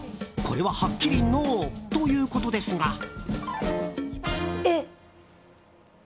これは、はっきりノーということですが。